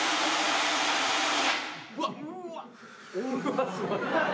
うわすごい。